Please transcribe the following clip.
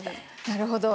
なるほど。